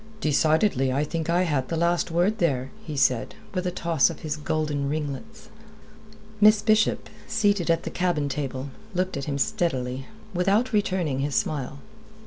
"Decidedly I think I had the last word there," he said, with a toss of his golden ringlets. Miss Bishop, seated at the cabin table, looked at him steadily, without returning his smile.